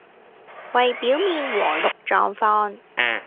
為表面和睦狀況